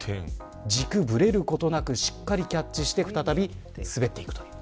軸がぶれることなくしっかりキャッチして再び滑っていくという。